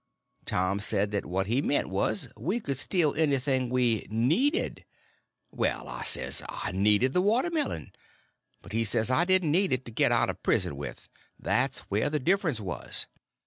Tom said that what he meant was, we could steal anything we needed. Well, I says, I needed the watermelon. But he said I didn't need it to get out of prison with; there's where the difference was.